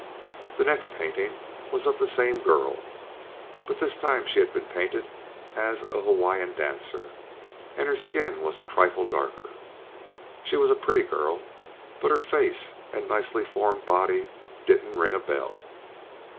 The next painting was of the same girl, but this time she had been painted as a Hawaiian dancer and her skin was a trifle darker. She was a pretty girl, but her face and nicely formed body didn't ring a bell.